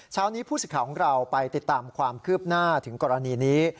เช้านี้ผู้สิทธิ์ของเราไปติดตามความคืบหน้าถึงกรณีนี้